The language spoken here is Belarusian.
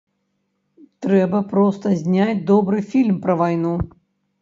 Трэба проста зняць добры фільм пра вайну!